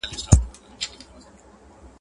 هر څومره چي پوهه وېشئ هغومره ډيريږي.